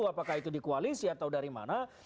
apakah itu dikualisi atau dari mana